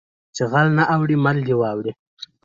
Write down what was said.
ـ چې غل نه اوړي مل دې واوړي .